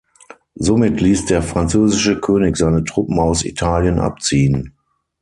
Somit ließ der französische König seine Truppen aus Italien abziehen.